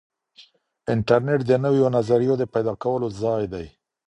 انټرنیټ د نویو نظریو د پیدا کولو ځای دی.